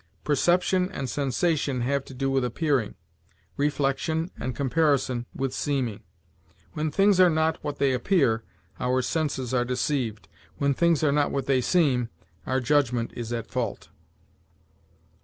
Perception and sensation have to do with appearing; reflection and comparison, with seeming. When things are not what they appear, our senses are deceived; when things are not what they seem, our judgment is at fault."